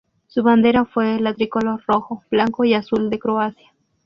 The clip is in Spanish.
Su bandera fue la tricolor rojo, blanco y azul de Croacia.